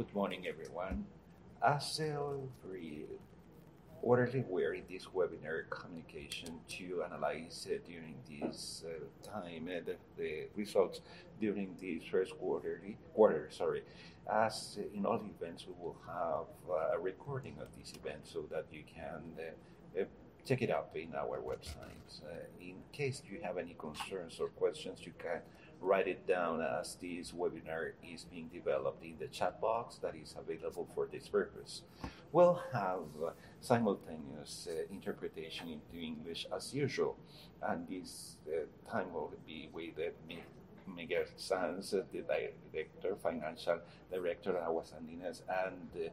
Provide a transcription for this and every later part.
Good morning, everyone. As every quarter, we're in this webinar communication to analyze during this time and the results during this first quarter, sorry. As in all events, we will have a recording of this event so that you can check it out in our website. In case you have any concerns or questions, you can write it down as this webinar is being developed in the chat box that is available for this purpose. We'll have simultaneous interpretation into English as usual, and this time will be with Miquel Sans, the Director, Financial Director, Aguas Andinas, and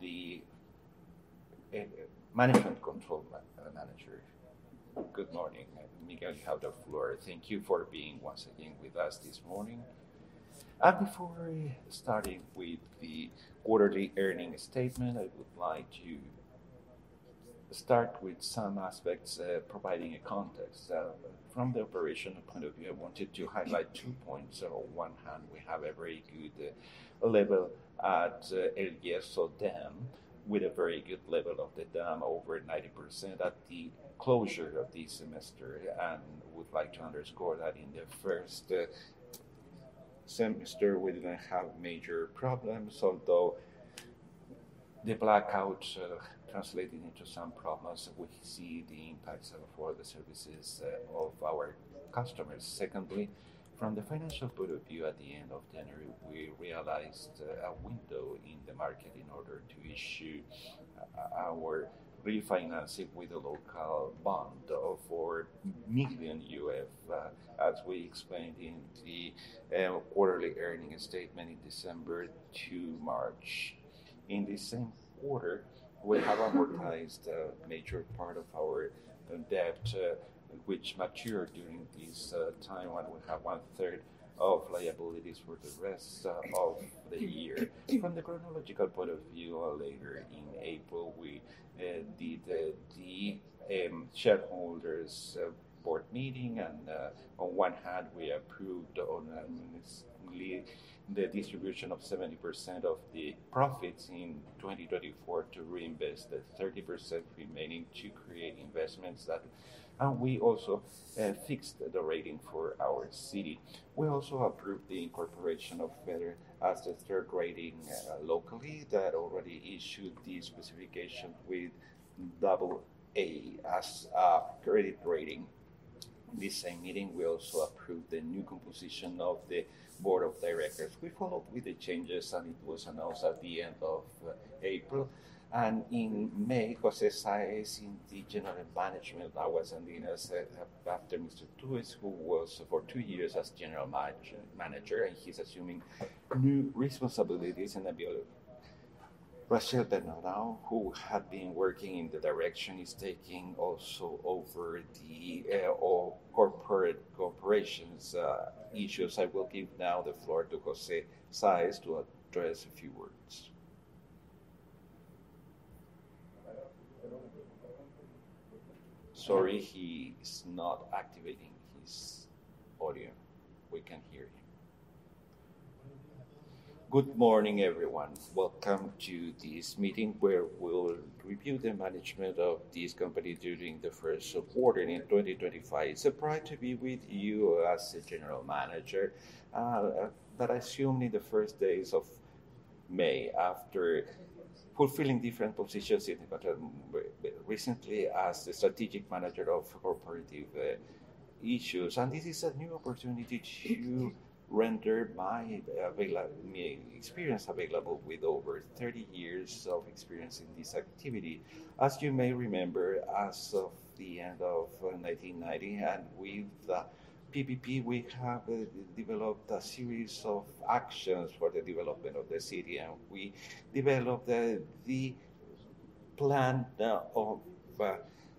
the Management Control Manager. Good morning, Miquel. You have the floor. Thank you for being once again with us this morning. Before I start with the quarterly earnings statement, I would like to start with some aspects providing a context. From the operational point of view, I wanted to highlight two points. On one hand, we have a very good level at El Yeso Dam, with a very good level of the dam, over 90% at the closure of the semester. I would like to underscore that in the first semester, we didn't have major problems, although the blackouts translating into some problems, we see the impacts of all the services of our customers. Secondly, from the financial point of view, at the end of January, we realized a window in the market in order to issue our refinancing with a local bond of 4 million UF, as we explained in the quarterly earnings statement in December to March. In the same quarter, we have amortized a major part of our debt, which matured during this time, and we have 1/33 of liabilities for the rest of the year. From the chronological point of view, later in April, we did the shareholders board meeting. On one hand, we approved unanimously the distribution of 70% of the profits in 2024 to reinvest the 30% remaining to create investments. We also fixed the rating for our securities. We also approved the incorporation of Fitch as the third rating locally that already issued the rating with AA as our credit rating. This same meeting, we also approved the new composition of the Board of Directors. We followed with the changes, and it was announced at the end of April. In May, José Sáez in the General Management of Aguas Andinas, after Mr. Tugues, who was for two years as general manager, and he's assuming new responsibilities. The other, Rachel Bernardin de Nola, who had been working in the direction, he's taking also over the, all corporate issues. I will give now the floor to José Sáez to address a few words. Sorry, he is not activating his audio. We can't hear him. Good morning, everyone. Welcome to this meeting, where we'll review the management of this company during the first quarter in 2025. It's a pride to be with you as the General Manager, that I assumed in the first days of May, after fulfilling different positions in, well, recently as the strategic manager of corporate issues. This is a new opportunity to render my experience available with over 30 years of experience in this activity. As you may remember, as of the end of 1990 and with the PPP, we have developed a series of actions for the development of the city, and we developed the plan of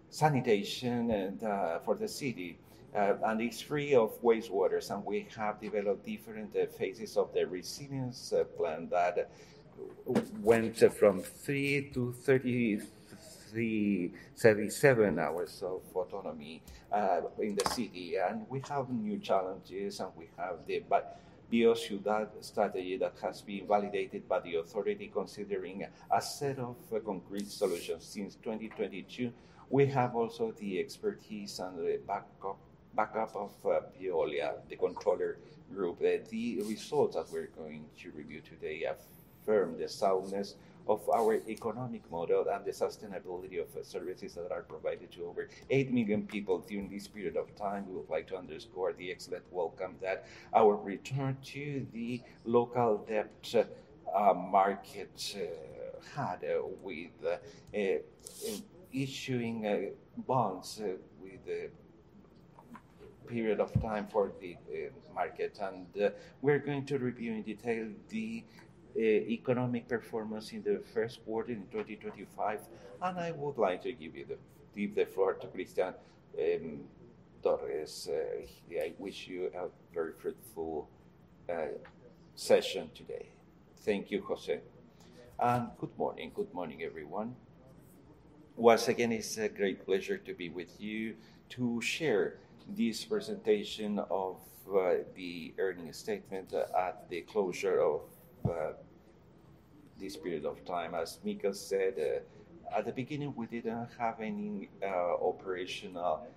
sanitation for the city free of wastewaters. We have developed different phases of the resilience plan that went from three to 77 hours of autonomy in the city. We have new challenges, but they all show that strategy that has been validated by the authority, considering a set of concrete solutions since 2022. We have also the expertise and the backup of Veolia, the controlling group. The results that we're going to review today affirm the soundness of our economic model and the sustainability of services that are provided to over eight million people during this period of time. We would like to underscore the excellent welcome that our return to the local debt market had with issuing bonds with a period of time for the market. We're going to review in detail the economic performance in the first quarter in 2025. I would like to leave the floor to Cristian Torres. I wish you a very fruitful session today. Thank you, José. Good morning. Good morning, everyone. Once again, it's a great pleasure to be with you to share this presentation of the earning statement at the closure of this period of time. As Miquel said at the beginning, we didn't have any operational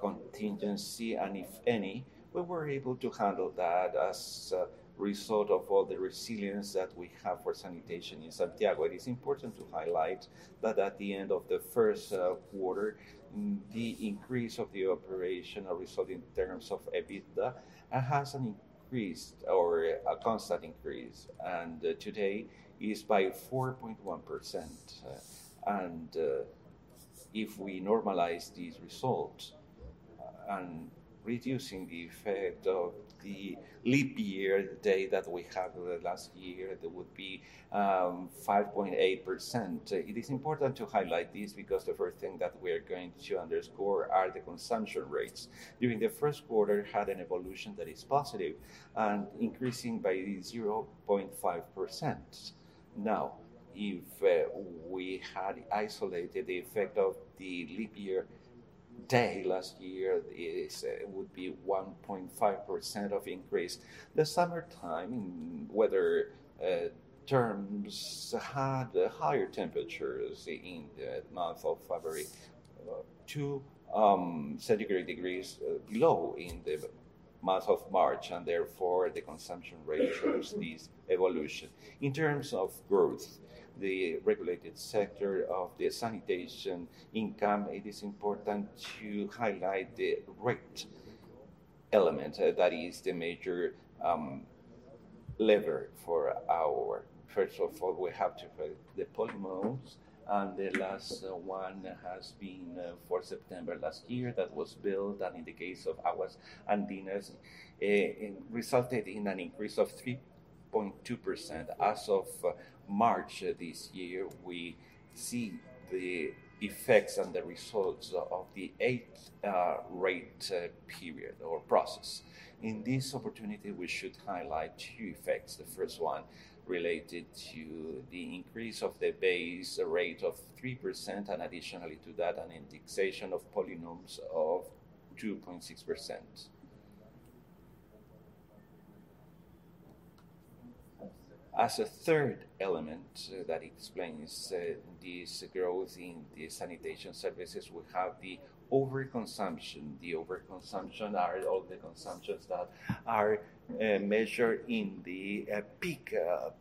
contingency, and if any, we were able to handle that as a result of all the resilience that we have for sanitation in Santiago. It is important to highlight that at the end of the first quarter, the increase of the operational result in terms of EBITDA has an increased or a constant increase, and today is by 4.1%. And if we normalize these results and reducing the effect of the leap year day that we had last year, that would be 5.8%. It is important to highlight this because the first thing that we are going to underscore are the consumption rates. During the first quarter, consumption rates had an evolution that is positive and increasing by 0.5%. Now, if we had isolated the effect of the leap year day last year, it would be 1.5% increase. The summertime weather terms had higher temperatures in the month of February, 2 centigrade degrees low in the month of March, and therefore, the consumption rate shows this evolution. In terms of growth, the regulated sector of the sanitation income, it is important to highlight the rate element. That is the major lever for our... First of all, we have to pay the polinomios, and the last one has been for September last year that was built, and in the case of Aguas Andinas, it resulted in an increase of 3.2%. As of March this year, we see the effects and the results of the eighth rate period or process. In this opportunity, we should highlight two effects. The first one related to the increase of the base rate of 3%, and additionally to that, an indexation of polinomios of 2.6%. As a third element that explains this growth in the sanitation services, we have the overconsumption. The overconsumption are all the consumptions that are measured in the peak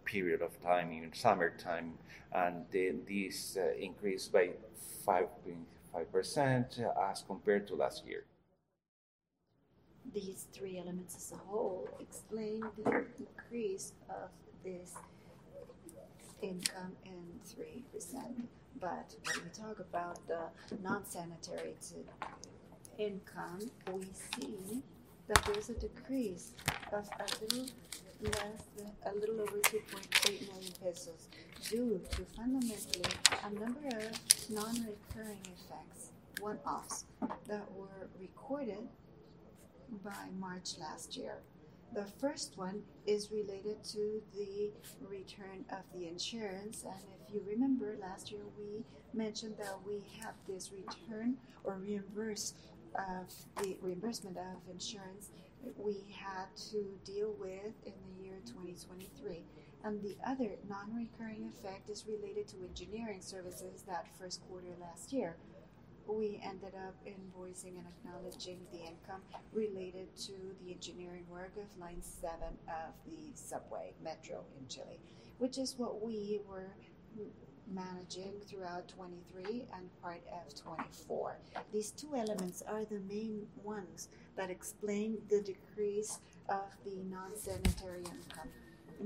period of time, in summertime, and then this increased by 5.5% as compared to last year. These three elements as a whole explain the decrease of this income in 3%. When we talk about the non-sanitary income, we see that there is a decrease of a little over 2.8 million pesos due to fundamentally a number of non-recurring effects, one-offs, that were recorded by March last year. The first one is related to the return of the insurance. If you remember last year, we mentioned that we have this return or reimburse of the reimbursement of insurance we had to deal with in the year 2023. The other non-recurring effect is related to engineering services that first quarter last year. We ended up invoicing and acknowledging the income related to the engineering work of Santiago Metro Line 7, which is what we were managing throughout 2023 and part of 2024. These two elements are the main ones that explain the decrease of the non-sanitary income,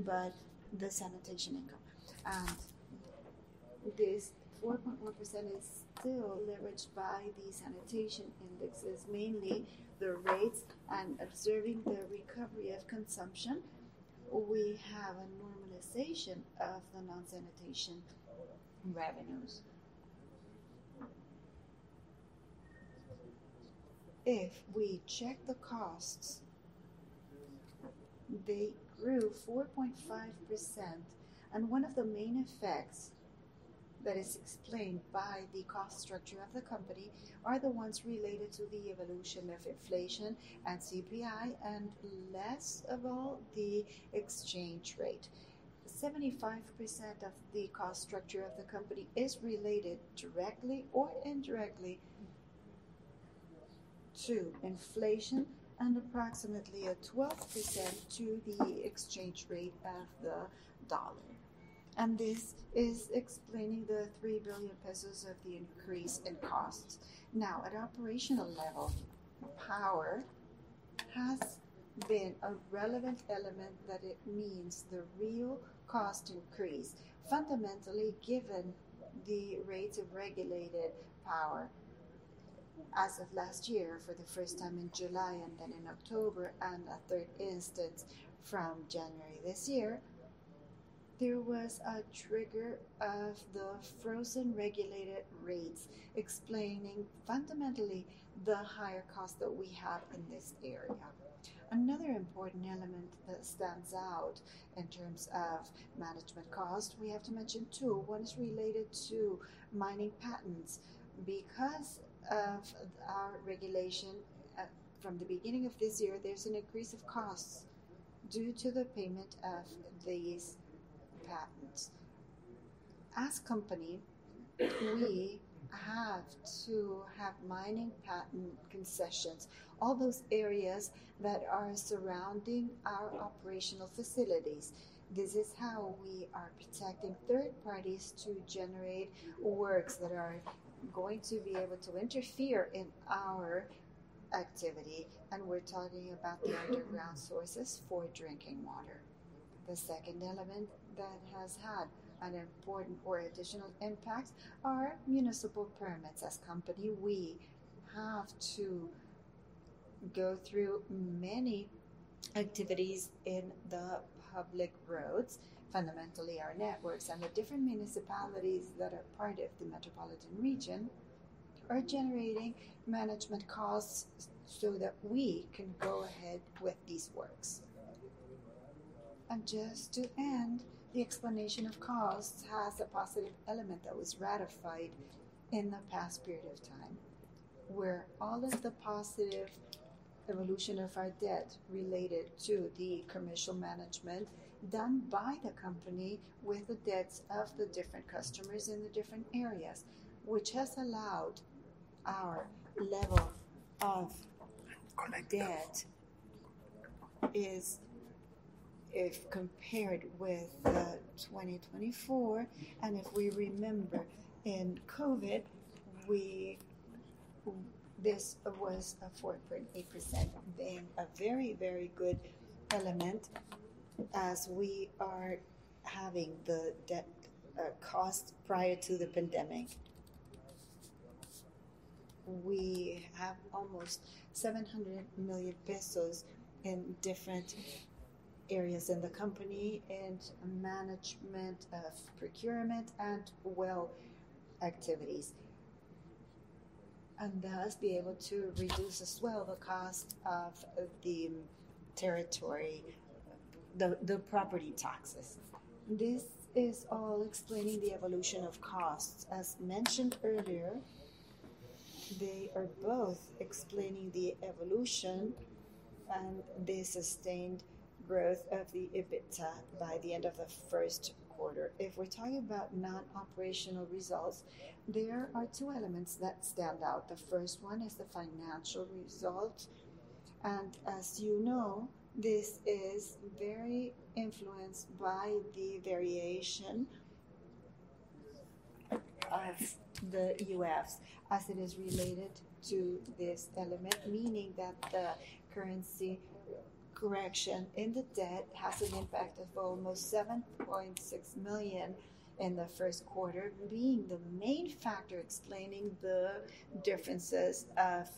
but the sanitation income. This 4.1% is still leveraged by the sanitation indexes, mainly the rates. Observing the recovery of consumption, we have a normalization of the non-sanitation revenues. If we check the costs, they grew 4.5%, and one of the main effects that is explained by the cost structure of the company are the ones related to the evolution of inflation and CPI and less about the exchange rate. 75% of the cost structure of the company is related directly or indirectly to inflation and approximately, 12% to the exchange rate of the dollar. This is explaining the 3 billion pesos of the increase in costs. Now, at operational level, power has been a relevant element that means the real cost increase. Fundamentally, given the rate of regulated power, as of last year, for the first time in July and then in October and a third instance from January this year, there was a trigger of the frozen regulated rate. Explaining fundamentally the higher cost that we have in this area. Another important element that stands out in terms of management cost, we have to mention two. One is related to mining patents. Because of our regulation, from the beginning of this year, there's an increase of costs due to the payment of these patents. As a company, we have to have mining patent concessions. All those areas that are surrounding our operational facilities. This is how we are protecting third parties to generate works that are going to be able to interfere in our activity, and we're talking about the underground sources for drinking water. The second element that has had an important or additional impact are municipal permits. As a company, we have to go through many activities in the public roads, fundamentally our networks and the different municipalities that are part of the metropolitan region are generating management costs so that we can go ahead with these works. Just to end, the explanation of costs has a positive element that was ratified in the past period of time, where all of the positive evolution of our debt related to the commercial management done by the company with the debts of the different customers in the different areas, which has allowed our level of debt is. If compared with 2024, and if we remember in COVID, this was a 4.8%, being a very, very good element as we are having the debt cost prior to the pandemic. We have almost 700 million pesos in different areas in the company and management of procurement and well activities, and thus be able to reduce as well the cost of the territory, the property taxes. This is all explaining the evolution of costs. As mentioned earlier, they are both explaining the evolution and the sustained growth of the EBITDA by the end of the first quarter. If we're talking about non-operational results, there are two elements that stand out. The first one is the financial result, and as you know, this is very influenced by the variation of the USD as it is related to this element. Meaning that the currency correction in the debt has an impact of almost 7.6 million in the first quarter, being the main factor explaining the differences of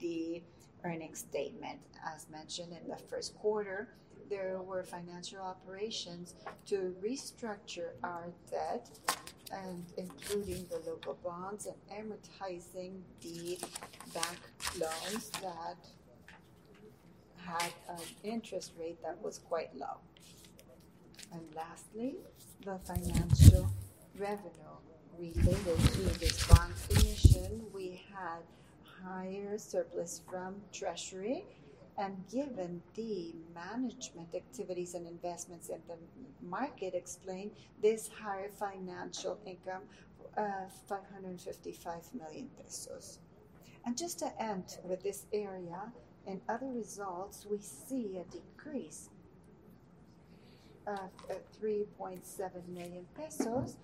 the earnings statement. As mentioned in the first quarter, there were financial operations to restructure our debt and including the local bonds and amortizing the bank loans that had an interest rate that was quite low. Lastly, the financial revenue related to this bond emission, we had higher surplus from treasury. Given the management activities and investments in the money market explain this higher financial income of 555 million pesos. Just to end with this area, in other results, we see a decrease of 3.7 million pesos,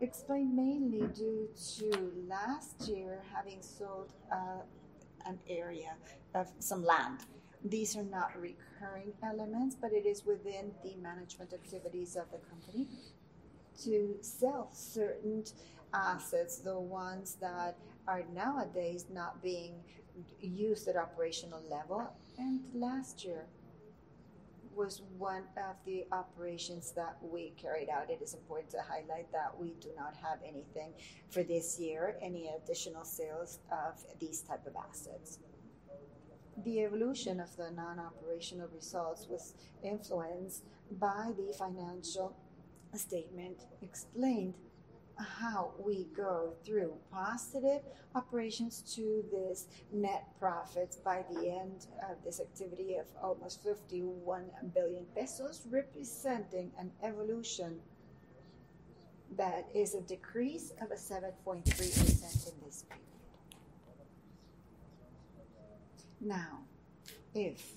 explained mainly due to last year having sold an area of some land. These are not recurring elements, but it is within the management activities of the company to sell certain assets, the ones that are nowadays not being used at operational level. Last year was one of the operations that we carried out. It is important to highlight that we do not have anything for this year, any additional sales of these type of assets. The evolution of the non-operational results was influenced by the financial statement explained how we go through positive operations to this net profit by the end of this activity of almost 51 billion pesos, representing an evolution that is a decrease of 7.3% in this period. Now, if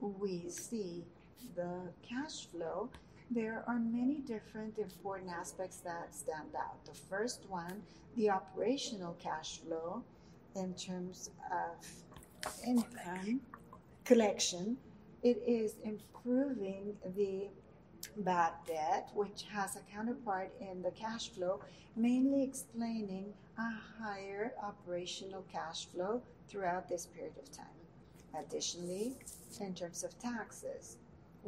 we see the cash flow, there are many different important aspects that stand out. The first one, the operational cash flow in terms of income collection. It is improving the bad debt, which has a counterpart in the cash flow, mainly explaining a higher operational cash flow throughout this period of time. Additionally, in terms of taxes,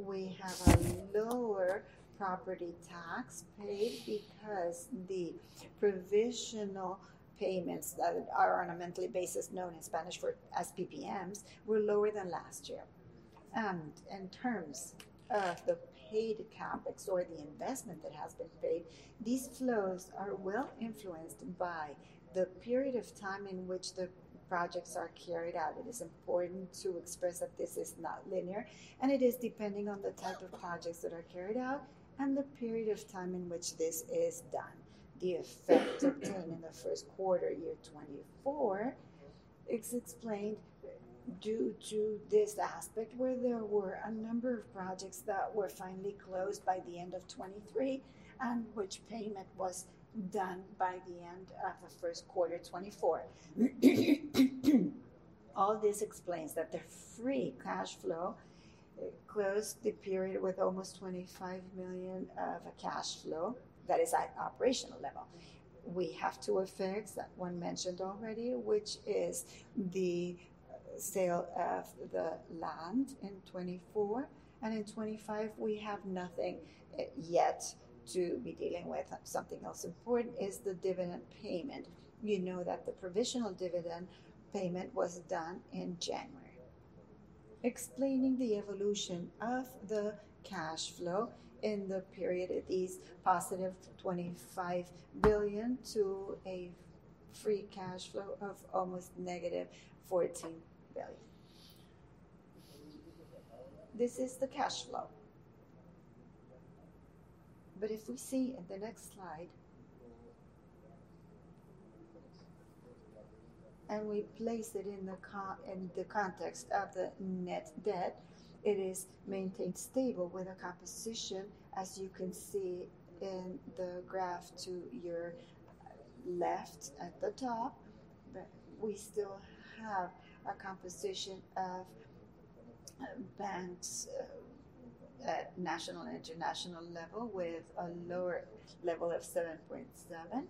we have a lower property tax paid because the provisional payments that are on a monthly basis, known in Spanish for PPMs, were lower than last year. In terms of the paid CapEx or the investment that has been paid, these flows are well influenced by the period of time in which the projects are carried out. It is important to express that this is not linear, and it is depending on the type of projects that are carried out and the period of time in which this is done. The effect in the first quarter 2024 is explained due to this aspect where there were a number of projects that were finally closed by the end of 2023 and which payment was done by the end of the first quarter 2024. All this explains that the free cash flow closed the period with almost 25 million of cash flow that is at operational level. We have two effects that were mentioned already, which is the sale of the land in 2024, and in 2025 we have nothing yet to be dealing with. Something else important is the dividend payment. You know that the provisional dividend payment was done in January. Explaining the evolution of the cash flow in the period, it is positive 25 billion to a free cash flow of almost -14 billion. This is the cash flow. If we see in the next slide and we place it in the context of the net debt, it is maintained stable with a composition, as you can see in the graph to your left at the top. We still have a composition of banks at national and international level with a lower level of 7.7%.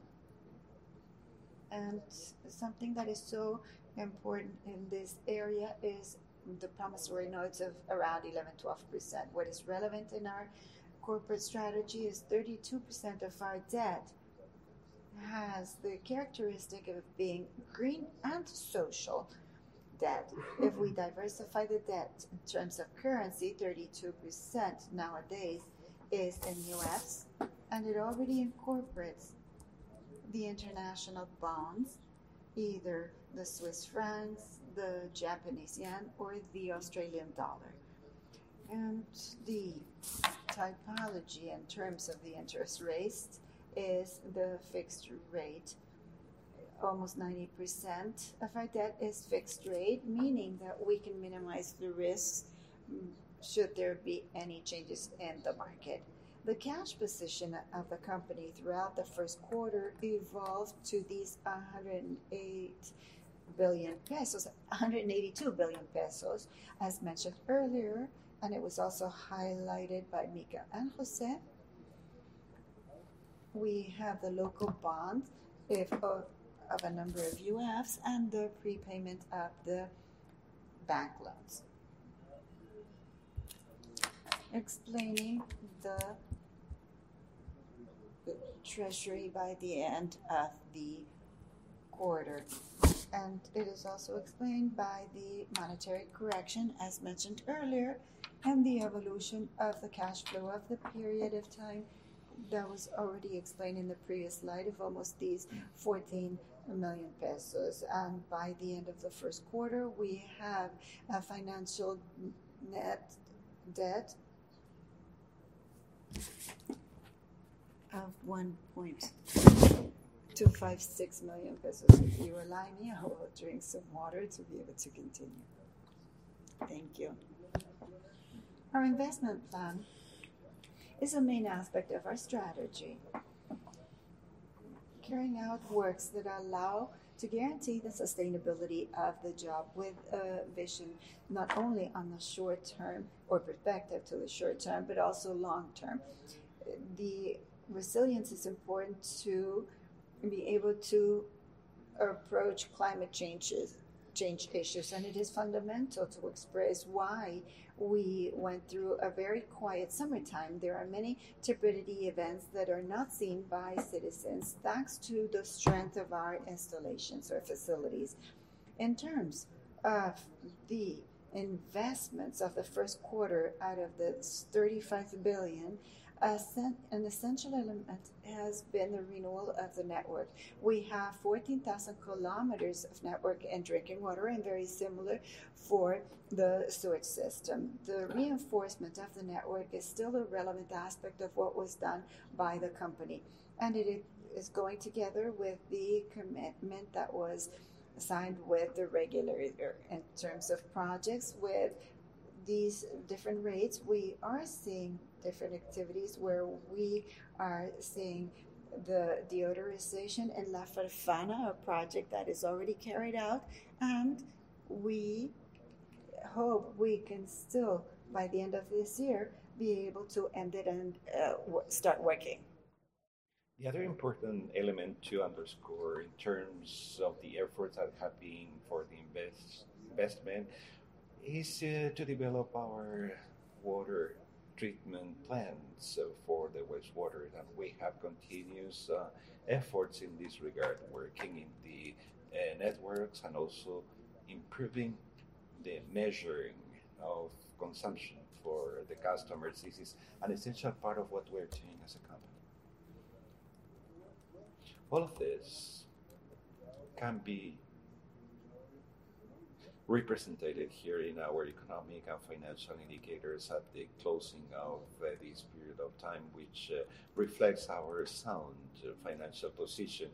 Something that is so important in this area is the promissory notes of around 11%-12%. What is relevant in our corporate strategy is 32% of our debt has the characteristic of being green and social debt. If we diversify the debt in terms of currency, 32% nowadays is in USD and it already incorporates the international bonds, either the Swiss francs, the Japanese yen, or the Australian dollar. The typology in terms of the interest rates is the fixed rate. Almost 90% of our debt is fixed rate, meaning that we can minimize the risks should there be any changes in the market. The cash position of the company throughout the first quarter evolved to 108 billion pesos, 182 billion pesos, as mentioned earlier, and it was also highlighted by Miquel and José. We have the local bonds of 4 million UF and USD and the prepayment of the bank loans, explaining the treasury by the end of the quarter. And it is also explained by the monetary correction, as mentioned earlier, and the evolution of the cash flow of the period of time that was already explained in the previous slide of almost 14 million pesos. By the end of the first quarter, we have a financial net debt of CLP 1.256 billion. If you allow me, I will drink some water to be able to continue. Thank you. Our investment plan is a main aspect of our strategy. Carrying out works that allow to guarantee the sustainability of the job with a vision not only on the short term or perspective to the short term, but also long term. The resilience is important to be able to approach climate changes, change issues, and it is fundamental to express why we went through a very quiet summertime. There are many turbidity events that are not seen by citizens, thanks to the strength of our installations or facilities. In terms of the investments of the first quarter out of the 35 billion, an essential element has been the renewal of the network. We have 14,000 km of network and drinking water, and very similar for the sewage system. The reinforcement of the network is still a relevant aspect of what was done by the company, and it is going together with the commitment that was signed with the regulator in terms of projects. With these different rates, we are seeing different activities where we are seeing the deodorization in La Farfana, a project that is already carried out, and we hope we can still, by the end of this year, be able to end it and start working. The other important element to underscore in terms of the efforts that have been for the investment is to develop our water treatment plants for the wastewater. That we have continuous efforts in this regard, working in the networks and also improving the measuring of consumption for the customers. This is an essential part of what we're doing as a company. All of this can be represented here in our economic and financial indicators at the closing of this period of time, which reflects our sound financial position.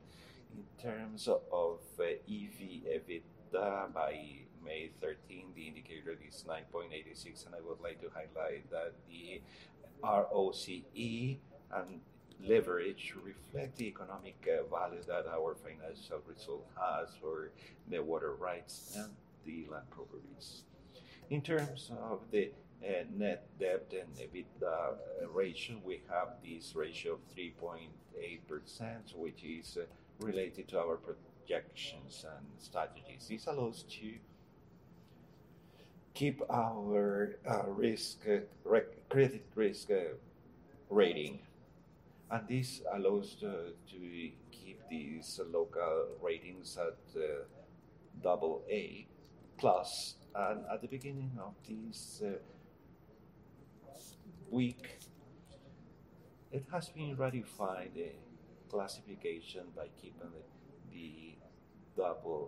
In terms of the EV/EBITDA by May 13, the indicator is 9.86, and I would like to highlight that the ROCE and leverage reflect the economic value that our financial result has for the water rights and the land properties. In terms of the net debt and EBITDA ratio, we have this ratio of 3.8, which is related to our projections and strategies. This allows to keep our credit risk rating. This allows to keep these local ratings at AA+. At the beginning of this week, it has been ratified, the classification by keeping it the AA+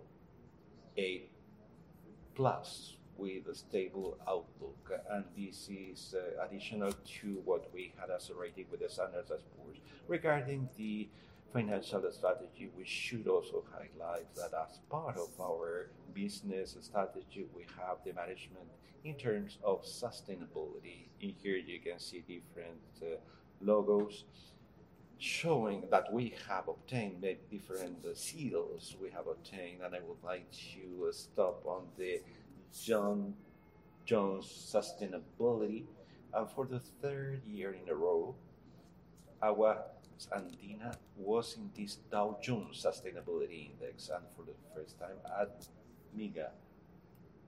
with a stable outlook. This is additional to what we had as a rating with S&P. Regarding the financial strategy, we should also highlight that as part of our business strategy, we have the management in terms of sustainability. In here, you can see different logos showing that we have obtained the different seals. I would like to stop on the Dow Jones Sustainability. For the third year in a row, Aguas Andinas was in this Dow Jones Sustainability Index, and for the first time at MILA,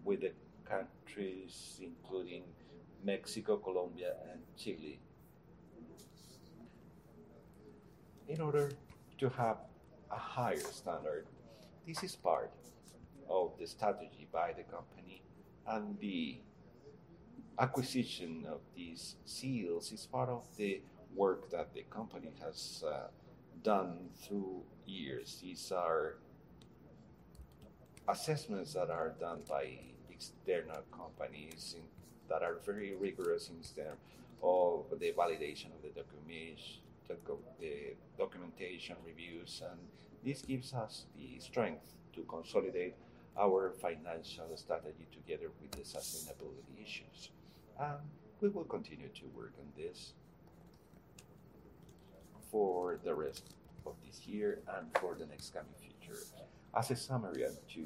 with the countries including Mexico, Colombia, and Chile. In order to have a higher standard, this is part of the strategy by the company, and the acquisition of these seals is part of the work that the company has done through years. These are assessments that are done by external companies and that are very rigorous in terms of the validation of the documentation reviews. This gives us the strength to consolidate our financial strategy together with the sustainability issues. We will continue to work on this for the rest of this year and for the next coming future. As a summary and to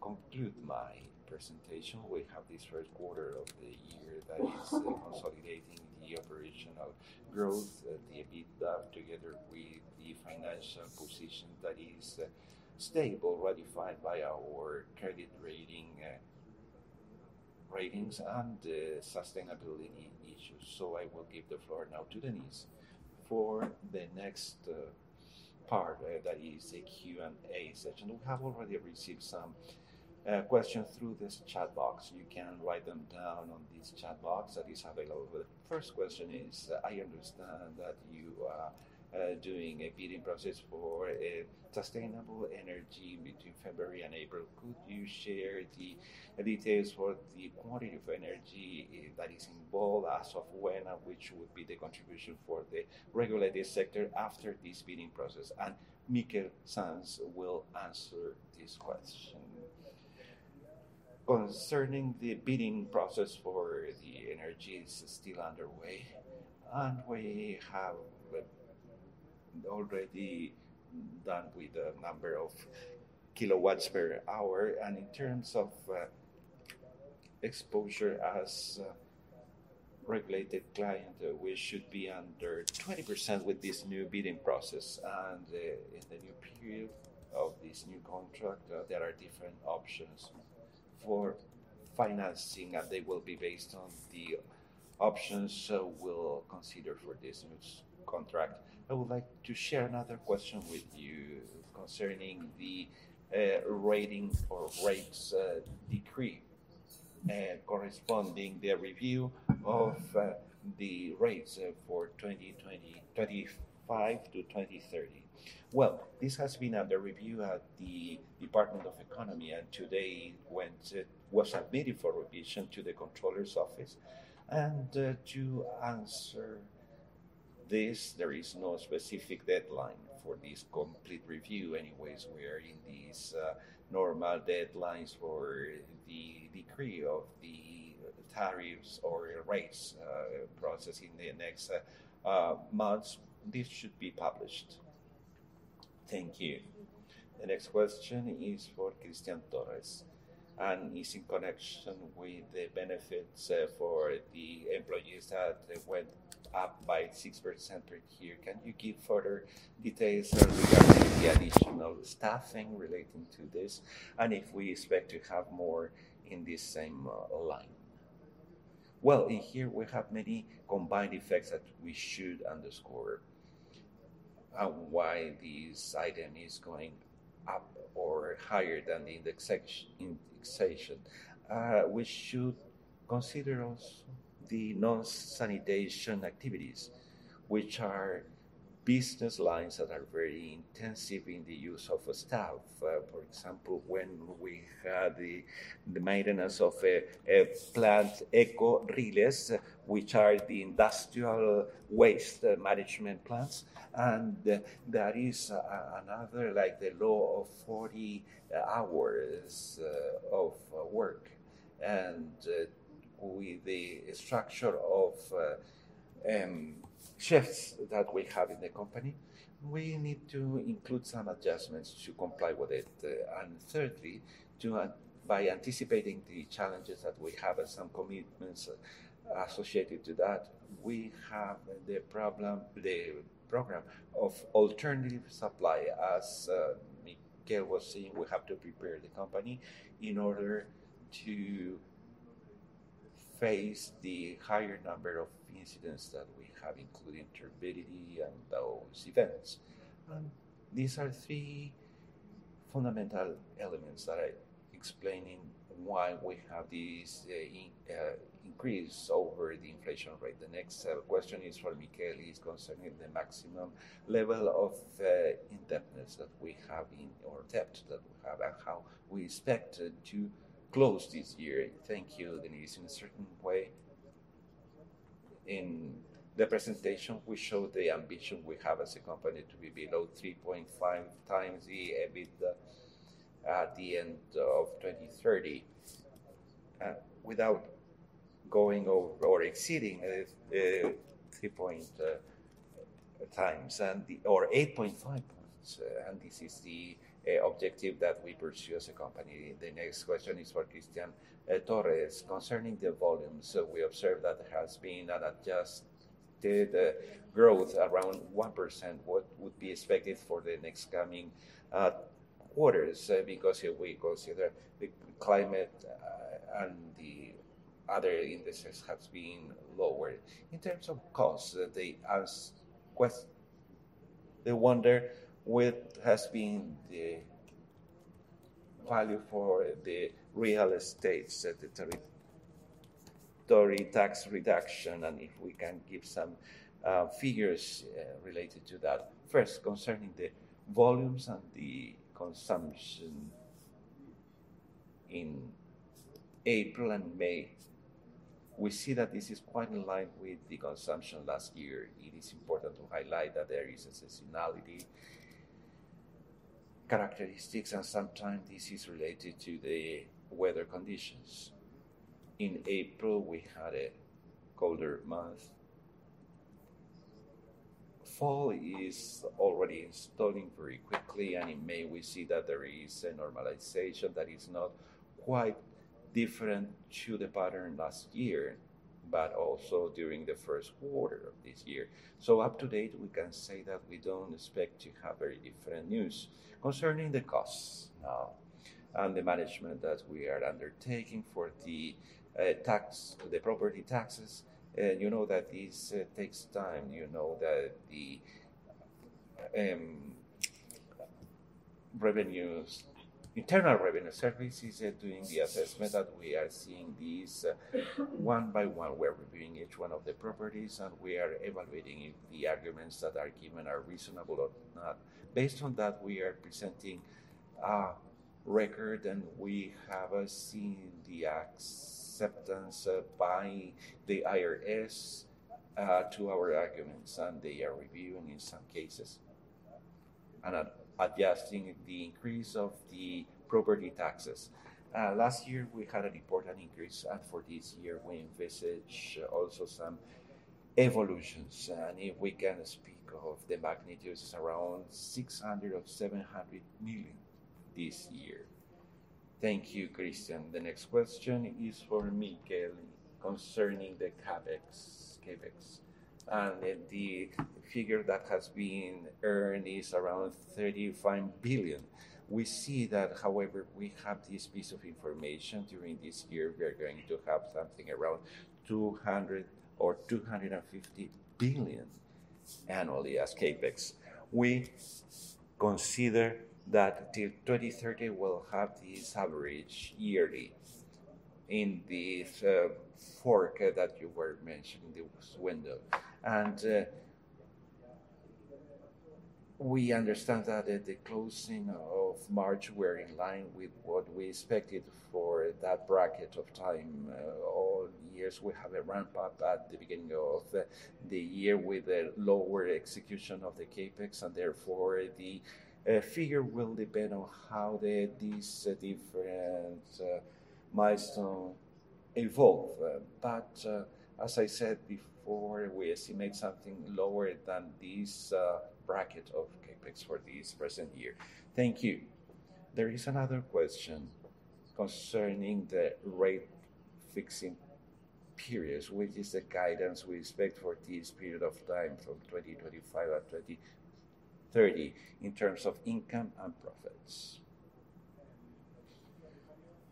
conclude my presentation, we have this first quarter of the year that is consolidating the operational growth, the EBITDA, together with the financial position that is stable, ratified by our credit rating, ratings and sustainability issues. I will give the floor now to Denise for the next part that is the Q&A session. We have already received some questions through this chat box. You can write them down on this chat box that is available. The first question is, "I understand that you are doing a bidding process for sustainable energy between February and April. Could you share the details for the quantity of energy that is involved as of when, and which would be the contribution for the regulated sector after this bidding process?" And Miquel Sans will answer this question. Concerning the bidding process for the energy, it's still underway. We have already done with a number of kW/H. In terms of exposure as a regulated client, we should be under 20% with this new bidding process. In the new period of this new contract, there are different options for financing, and they will be based on the options we'll consider for this new contract. I would like to share another question with you concerning the rating or rates decree corresponding the review of the rates for 2025 to 2030. Well, this has been under review at the Ministry of Economy, and today it was submitted for revision to the Comptroller's Office. To answer this, there is no specific deadline for this complete review. Anyways, we are in these normal deadlines for the decree of the tariffs or rates process. In the next months, this should be published. Thank you. The next question is for Cristian Torres and is in connection with the benefits for the employees that went up by 6% here. Can you give further details regarding the additional staffing relating to this, and if we expect to have more in the same line? Well, in here we have many combined effects that we should underscore on why this item is going up or higher than the indexation. We should consider also the non-sanitation activities, which are business lines that are very intensive in the use of staff. For example, when we had the maintenance of plant EcoRiles, which are the industrial waste management plants. There is another, like the 40-Hour Law of work. With the structure of shifts that we have in the company, we need to include some adjustments to comply with it. Thirdly, by anticipating the challenges that we have and some commitments associated to that, we have the program of alternative supply. As Miquel was saying, we have to prepare the company in order to face the higher number of incidents that we have, including turbidity and those events. These are three fundamental elements that are explaining why we have this increase over the inflation rate. The next question is for Miquel. It's concerning the maximum level of indebtedness that we have or debt that we have and how we expect to close this year. Thank you. It is in a certain way. In the presentation, we show the ambition we have as a company to be below 3.5x the EBITDA at the end of 2030, without going over or exceeding 3x or 8.5 points. And this is the objective that we pursue as a company. The next question is for Cristian Torres. Concerning the volumes, we observed that there has been an adjusted growth around 1%. What would be expected for the next coming quarters? Because if we consider the climate and the other indices has been lower. In terms of costs, they wonder what has been the value for the real estate, the territory tax reduction, and if we can give some figures related to that. First, concerning the volumes and the consumption in April and May, we see that this is quite in line with the consumption last year. It is important to highlight that there is a seasonality characteristics, and sometimes this is related to the weather conditions. In April, we had a colder month. Fall is already installing very quickly, and in May we see that there is a normalization that is not quite different to the pattern last year, but also during the first quarter of this year. Up to date, we can say that we don't expect to have very different news. Concerning the costs now and the management that we are undertaking for the tax, the property taxes, you know that this takes time. You know that the Internal Revenue Service are doing the assessment, and we are seeing these one by one. We are reviewing each one of the properties, and we are evaluating if the arguments that are given are reasonable or not. Based on that, we are presenting a record, and we have seen the acceptance by the IRS to our arguments, and they are reviewing in some cases and adjusting the increase of the property taxes. Last year we had an important increase, and for this year we envisage also some evolutions. If we can speak of the magnitudes, it's around 600 million or 700 million this year. Thank you, Cristian. The next question is for Miquel concerning the CapEx. The figure that has been earned is around 35 billion. We see that, however, we have this piece of information during this year, we are going to have something around 200 billion or 250 billion annually as CapEx. We consider that till 2030 we'll have this average yearly in this fork that you were mentioning, this window. We understand that at the closing of March, we're in line with what we expected for that bracket of time. All years we have a ramp up at the beginning of the year with a lower execution of the CapEx, and therefore the figure will depend on how these different milestones evolve. We estimate something lower than this bracket of CapEx for this present year. Thank you. There is another question concerning the rate-fixing periods. Which is the guidance we expect for this period of time from 2025 and 2030 in terms of income and profits?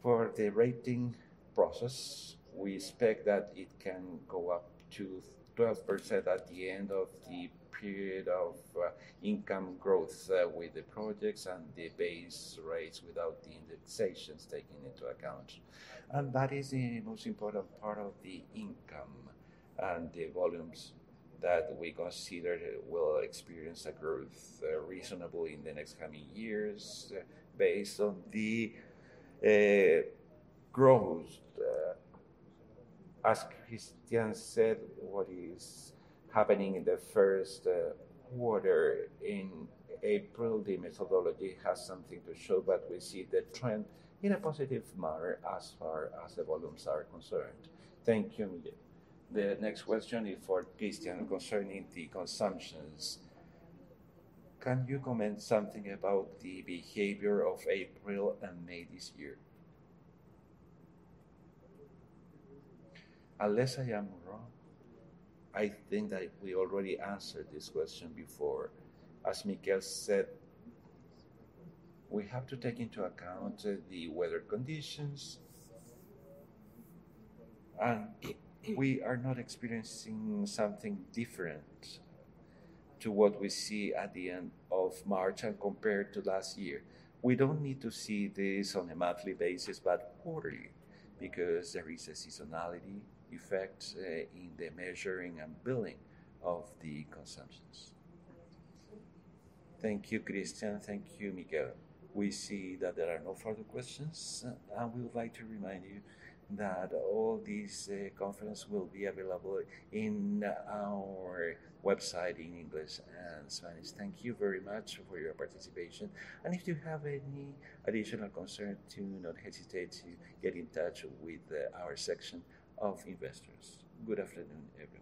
For the rating process, we expect that it can go up to 12% at the end of the period of income growth with the projects and the base rates without the indexations taking into account. That is the most important part of the income and the volumes that we consider will experience a growth reasonably in the next coming years based on the growth. As Cristian said, what is happening in the first quarter in April, the methodology has something to show, but we see the trend in a positive manner as far as the volumes are concerned. Thank you. The next question is for Cristian concerning the consumptions. Can you comment something about the behavior of April and May this year? Unless I am wrong, I think that we already answered this question before. As Miquel said, we have to take into account the weather conditions, and we are not experiencing something different to what we see at the end of March and compared to last year. We don't need to see this on a monthly basis, but quarterly, because there is a seasonality effect in the measuring and billing of the consumptions. Thank you, Cristian. Thank you, Miquel. We see that there are no further questions. I would like to remind you that all this conference will be available in our website in English and Spanish. Thank you very much for your participation. If you have any additional concern, do not hesitate to get in touch with our section of investors. Good afternoon, everyone.